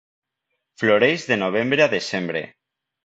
Floreix de novembre a desembre.